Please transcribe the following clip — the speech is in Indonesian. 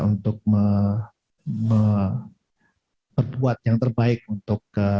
untuk menepuk buat yang terbaik untuk